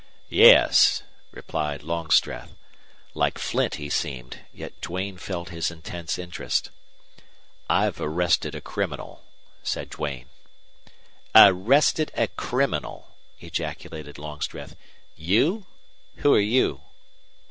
"Yes," replied Longstreth. Like flint he seemed, yet Duane felt his intense interest. "I've arrested a criminal," said Duane. "Arrested a criminal!" ejaculated Longstreth. "You? Who're you?"